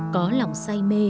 có lòng say mê